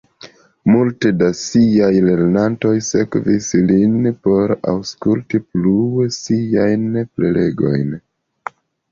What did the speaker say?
Multe da siaj lernantoj sekvis lin por aŭskulti plue siajn prelegojn.